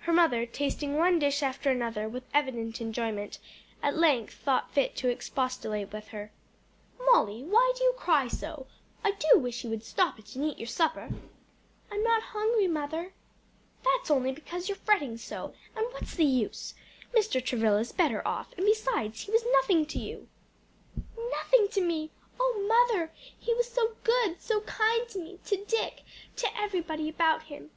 Her mother, tasting one dish after another with evident enjoyment, at length thought fit to expostulate with her. "Molly, why do you cry so? I do wish you would stop it and eat your supper." "I'm not hungry, mother." "That's only because you're fretting so; and what's the use? Mr. Travilla's better off; and besides he was nothing to you." "Nothing to me! O mother! he was so good, so kind to me, to Dick, to everybody about him.